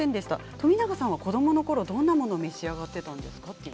冨永さんの子どものころどんなものを召し上がりましたか。